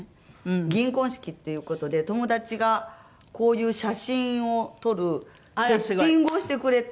銀婚式っていう事で友達がこういう写真を撮るセッティングをしてくれて。